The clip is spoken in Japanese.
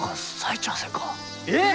えっ！？